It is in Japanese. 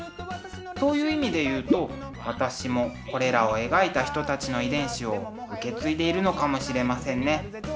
そういう意味で言うと私もこれらを描いた人たちの遺伝子を受け継いでいるのかもしれませんね。